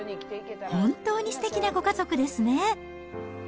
本当にすてきなご家族ですね。